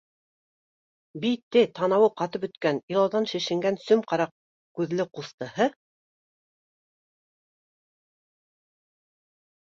Бите, танауы ҡатып бөткән, илауҙан шешенгән сем-ҡара күҙле ҡустыһы